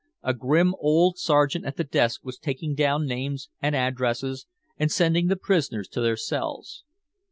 A grim old sergeant at the desk was taking down names and addresses and sending the prisoners to their cells.